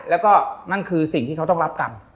แล้วก็นั่นคือสิ่งที่เขาต้องรับกรรม